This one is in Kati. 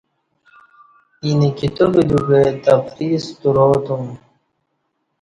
اینه کتاب دیو کں تقریض ستراتُم